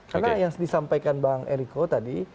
karena yang disampaikan bang ericko tadi